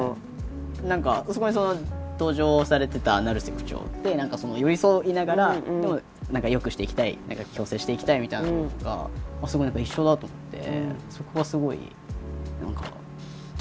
何かそこに登場されてた成瀬区長って何か寄り添いながらでも良くしていきたい共生していきたいみたいなこととかすごい何か一緒だと思ってそこはすごい何かきましたね。